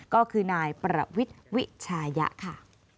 ก็คือนายประวิทย์วิชายะค่ะ